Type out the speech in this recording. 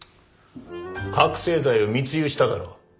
覚せい剤を密輸しただろ？